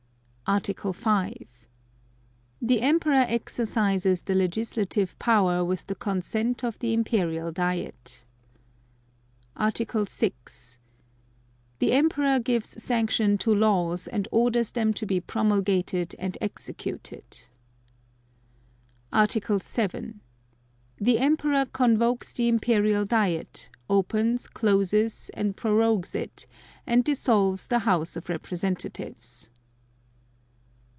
Article 5. The Emperor exercises the legislative power with the consent of the Imperial Diet. Article 6. The Emperor gives sanction to laws, and orders them to be promulgated and executed. Article 7. The Emperor convokes the Imperial Diet, opens, closes, and prorogues it, and dissolves the House of Representatives.